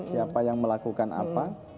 siapa yang melakukan apa